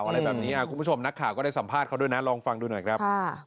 อะไรแบบนี้คุณผู้ชมนักข่าวก็ได้สัมภาษณ์เขาด้วยนะลองฟังดูหน่อยครับ